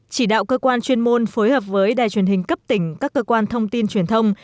chỉ đạo cơ quan chuyên môn phối hợp với đài truyền hình cấp tỉnh các cơ quan thông tin truyền thông